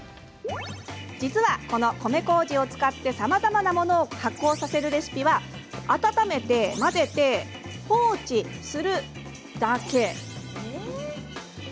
実は、この米こうじを使ってさまざまなものを発酵させるレシピは温めて、混ぜて、放置するだけ。